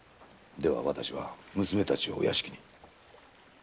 では私は娘たちをお屋敷に。